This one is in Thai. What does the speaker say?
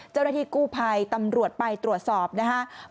เจ้าหน้าที่กู้ภัยตำรวจไปตรวจสอบนะครับ